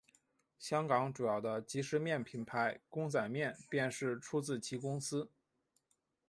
香港主要的即食面品牌公仔面便是出自其公司。